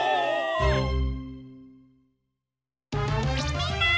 みんな！